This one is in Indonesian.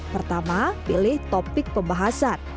pertama pilih topik pembahasan